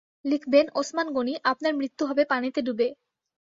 লিখবেন- ওসমান গনি, আপনার মৃত্যু হবে পানিতে ডুবে।